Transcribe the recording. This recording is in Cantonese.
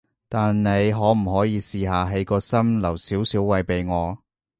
但你可唔可以試下喺個心留少少位畀我？